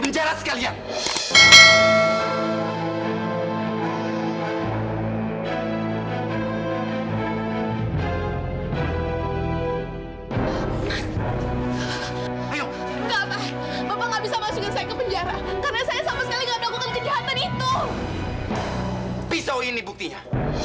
bisa masuk ke penjara karena saya sama sekali nggak kejahatan itu pisau ini buktinya